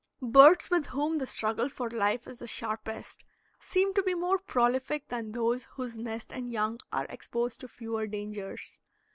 Birds with whom the struggle for life is the sharpest seem to be more prolific than those whose nest and young are exposed to fewer dangers.